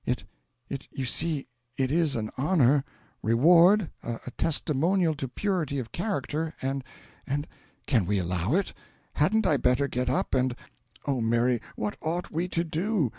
It it you see, it is an honour reward, a testimonial to purity of character, and and can we allow it? Hadn't I better get up and Oh, Mary, what ought we to do?